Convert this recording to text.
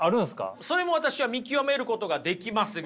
それも私は見極めることができますが。